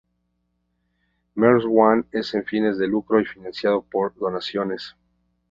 Mars One es sin fines de lucro y financiado por donaciones.